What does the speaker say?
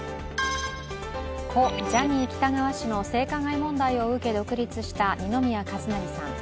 故・ジャニー喜多川氏の性加害問題を受け独立した二宮和也さん。